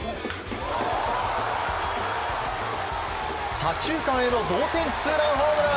左中間への同点ツーランホームラン。